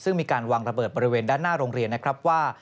ซึ่งมีการวางระเบิดบริเวณด้านหน้าโรงเรียนนะครับว่า